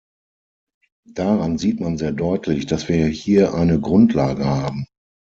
Daran sieht man sehr deutlich, dass wir hier eine Grundlage haben.